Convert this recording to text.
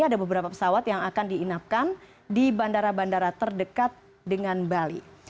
ada beberapa pesawat yang akan diinapkan di bandara bandara terdekat dengan bali